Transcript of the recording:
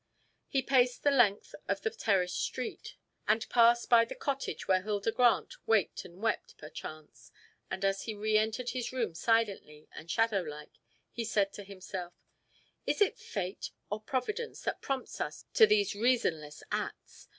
He paced the length of the terraced street, and passed by the cottage where Hilda Grant waked and wept perchance, and as he re entered his room silently and shadow like, he said to himself "Is it fate or Providence that prompts us to these reasonless acts?